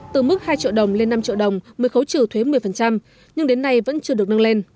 từ mức hai triệu đồng lên năm triệu đồng mới khấu trừ thuế một mươi nhưng đến nay vẫn chưa được nâng lên